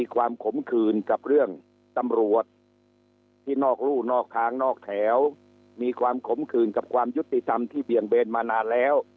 ขมขืนกับเรื่องตำรวจที่นอกรู่นอกทางนอกแถวมีความขมขืนกับความยุติธรรมที่เบี่ยงเบนมานานแล้ว